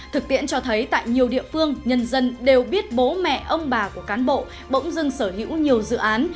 thực tiễn cho thấy tại nhiều địa phương nhân dân đều biết bố mẹ ông bà của cán bộ bỗng dưng sở hữu nhiều dự án